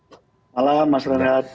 selamat malam mas renhardt